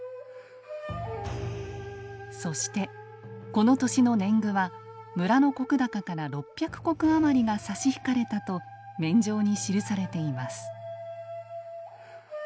そしてこの年の年貢は村の石高から６００石余りが差し引かれたと免定に記されています。